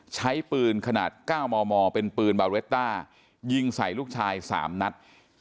ใช้ปืนขนาด๙มมเป็นปืนบาเรตต้ายิงใส่ลูกชาย๓นัด